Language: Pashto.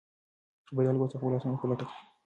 خبریال اوس د خپلو اسنادو په لټه کې دی.